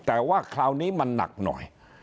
แต่ว่าคราวนี้มันหนักหน่อย